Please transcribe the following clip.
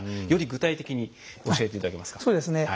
より具体的に教えていただけますか？